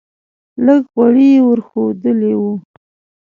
لږ غوړي یې ور ښودلی و.